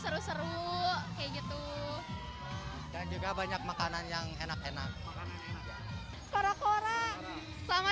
seru seru kayak gitu dan juga banyak makanan yang enak enak kora kora sama